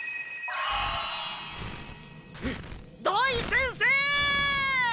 土井先生！